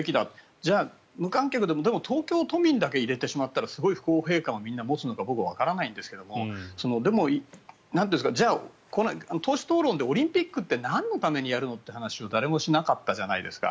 じゃあ、無観客でも東京都民だけ入れてしまったらすごい不公平感をみんな持つのか僕はわからないんですがでも、じゃあ党首討論でオリンピックってなんのためにやるの？って話を誰もしなかったじゃないですか。